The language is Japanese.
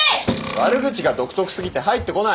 悪口が独特すぎて入ってこない。